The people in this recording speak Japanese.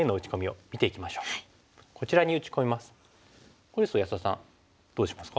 これですと安田さんどうしますか？